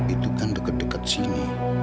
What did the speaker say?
itu kan dekat dekat sini